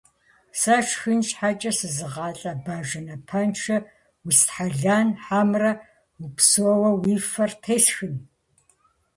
Сэ шхын щхьэкӀэ сызыгъалӀэ Бажэ напэншэ, устхьэлэн хьэмэрэ упсэууэ уи фэр тесхын?!